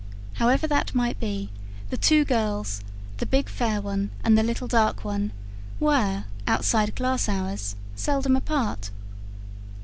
However that might be, the two girls, the big fair one and the little dark one, were, outside class hours, seldom apart.